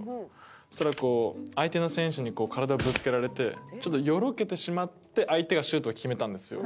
そしたら相手の選手に体をぶつけられてちょっとよろけてしまって相手がシュートを決めたんですよ。